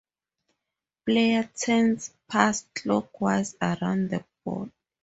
Player turns pass clockwise around the board.